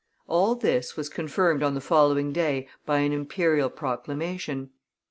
All this was confirmed on the following day by an Imperial proclamation.